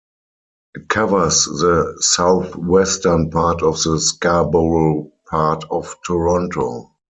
It covers the southwestern part of the Scarborough part of Toronto.